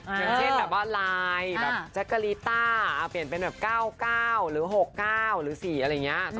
อย่างเช่นแบบว่าไลน์แบบแจ๊กกะลีต้าเปลี่ยนเป็นแบบ๙๙หรือ๖๙หรือ๔อะไรอย่างนี้